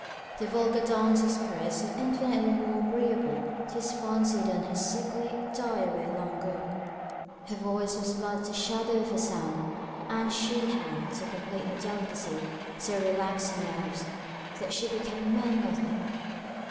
Their vulgar dance of spirits were infinitely more agreeable to his fancy than her sickly, die away languor. Her voice was but the shadow of a sound, and she had, to complete her delicacy, so relaxed her nerves, that she became a mere nothing.